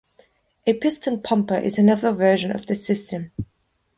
A piston pumper is another version of this system.